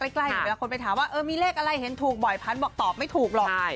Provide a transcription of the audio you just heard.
ไว้คนไปถามว่ามีเรื่องอะไรเห็นถูกบ่อยพันต่อไม่ถูกหรอก